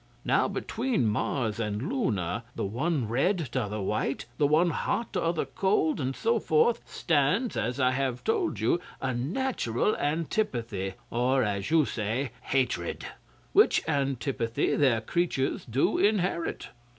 Now between Mars and Luna, the one red, t'other white, the one hot t'other cold and so forth, stands, as I have told you, a natural antipathy, or, as you say, hatred. Which antipathy their creatures do inherit.